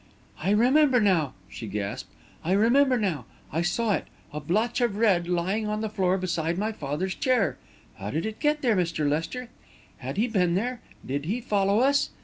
"I remember now!" she gasped. "I remember now! I saw it a blotch of red lying on the floor beside my father's chair! How did it get there, Mr. Lester? Had he been there? Did he follow us?"